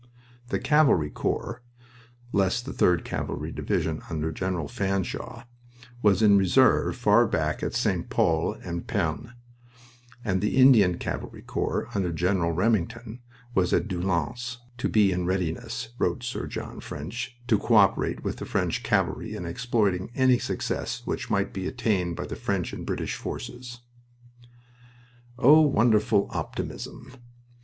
The Cavalry Corps (less the 3d Cavalry Division under General Fanshawe) was in reserve far back at St. Pol and Pernes; and the Indian Cavalry Corps under General Remington was at Doullens; "to be in readiness," wrote Sir John French, "to co operate with the French cavalry in exploiting any success which might be attained by the French and British forces."... Oh, wonderful optimism!